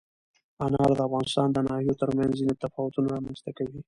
انار د افغانستان د ناحیو ترمنځ ځینې تفاوتونه رامنځ ته کوي.